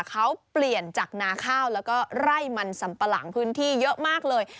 เขาเปลี่ยนจากนาข้าวแล้วก็ไร่มันสัมปะหลังพื้นที่เยอะมากเลย